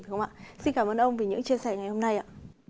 đúng không ạ xin cảm ơn ông vì những chia sẻ ngày hôm nay ạ